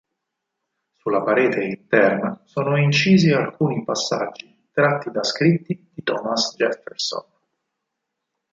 Sulla parete interna sono incisi alcuni passaggi tratti da scritti di Thomas Jefferson.